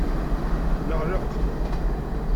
Neɣleq.